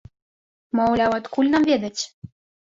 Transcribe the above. Маўляў, адкуль нам ведаць?